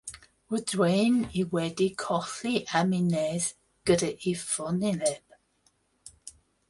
Roeddwn i wedi colli amynedd gyda'i ffolineb!